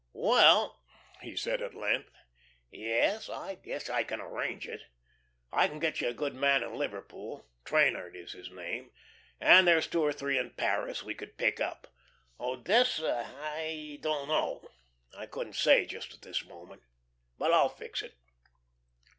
"Well," he said, at length, "... yes. I guess I can arrange it. I can get you a good man in Liverpool Traynard is his name and there's two or three in Paris we could pick up. Odessa I don't know. I couldn't say just this minute. But I'll fix it."